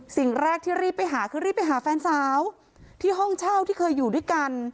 สิ่งแรกที่รีบไปหาคือรีบไปหาแฟนสาวที่ห้องเช่าที่เคยอยู่ด้วยกัน